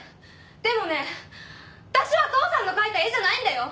でもね私は父さんの描いた絵じゃないんだよ！